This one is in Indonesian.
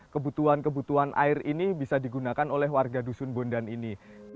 kebutuhan kebutuhan air ini bisa digunakan oleh warga dusun bondan ini